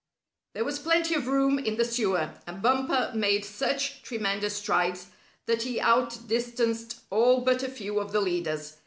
There was plenty of room in the sewer, and Bumper made such tremendous strides that he outdistanced all but a few of the leaders.